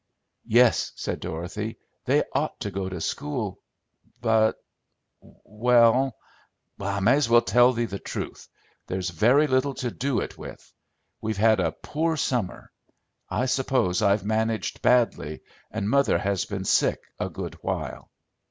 "Yes," said Dorothy, "they ought to go to school, but well, I may as well tell thee the truth. There's very little to do it with. We've had a poor summer. I suppose I've managed badly, and mother has been sick a good while."